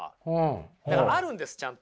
だからあるんですちゃんと。